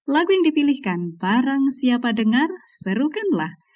lagu yang dipilihkan barang siapa dengar serukanlah